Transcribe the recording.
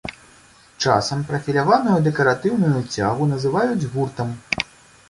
Часам прафіляваную дэкаратыўную цягу называюць гуртам.